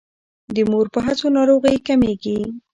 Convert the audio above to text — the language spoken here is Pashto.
د مور په هڅو ناروغۍ کمیږي.